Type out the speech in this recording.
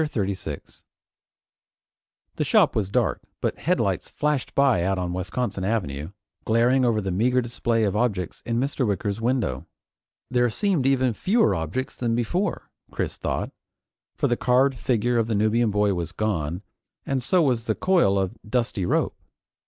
CHAPTER 36 The shop was dark but headlights flashed by out on Wisconsin Avenue, glaring over the meager display of objects in Mr. Wicker's window. There seemed even fewer objects than before, Chris thought, for the carved figure of the Nubian boy was gone, and so was the coil of dusty rope.